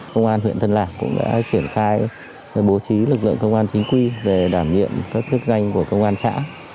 công an huyện tân lạc cũng đã triển khai bố trí lực lượng công an chính quy về đảm nhiệm các chức danh của công an xã